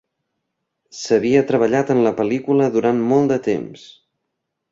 S'havia treballat en la pel·lícula durant molt de temps.